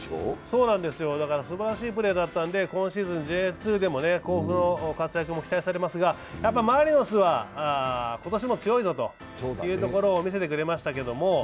すばらしいプレーだったんで今シーズンＪ２でも甲府の活躍も期待されますが、マリノスは今年も強いぞというところを見せてくれました。